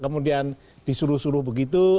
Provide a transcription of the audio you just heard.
kemudian disuruh suruh begitu